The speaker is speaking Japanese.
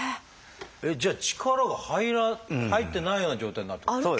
えっじゃあ力が入ってないような状態になるってことですか？